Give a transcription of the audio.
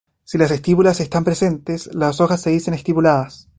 Si las estípulas están presentes, las hojas se dicen estipuladas.